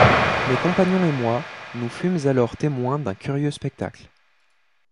Mes compagnons et moi, nous fûmes alors témoins d’un curieux spectacle.